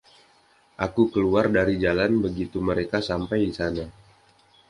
Aku keluar dari jalan begitu mereka sampai di sana.